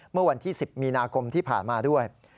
เมื่อวันที่๑๐มีนาคมที่ผ่านมาด้วย